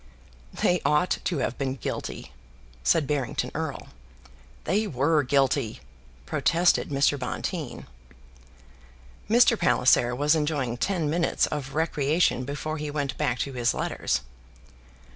"They ought to have been guilty," said Barrington Erle. "They were guilty," protested Mr. Bonteen. Mr. Palliser was enjoying ten minutes of recreation before he went back to his letters.